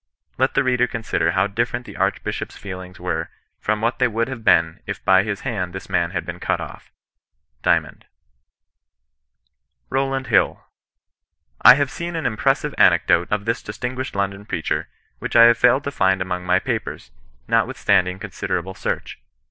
Let the reader consider how different the Archbishop's feelings were from what they would have been if by his hand tms man had been cut off." — Dymond, ROWLAND HILL. I have seen an impressive anecdote of this distinguished London preacher, which I have failed to find among my papers, notwithstanding considerable search.